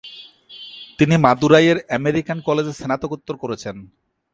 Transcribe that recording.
তিনি মাদুরাইয়ের আমেরিকান কলেজে স্নাতকোত্তর করেছেন।